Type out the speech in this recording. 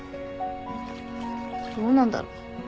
どうなんだろう。